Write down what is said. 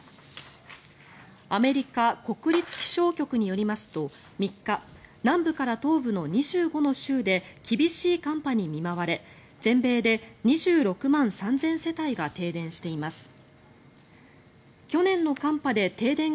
アメリカ国立気象局によりますと３日、南部から東部の２５の州で厳しい寒波に見舞われ全米で２６万３０００世帯が停電しています。